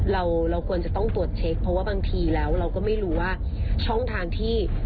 เราเราควรจะต้องตรวจเช็คเพราะว่าบางทีแล้วเราก็ไม่รู้ว่าช่องทางที่